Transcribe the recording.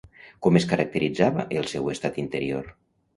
Com es caracteritzava el seu estat interior?